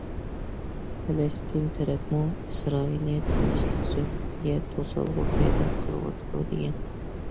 پەلەستىن تەرەپمۇ ئىسرائىلىيە تىنچلىق سۆھبىتىگە توسالغۇ پەيدا قىلىۋاتىدۇ، دېگەن.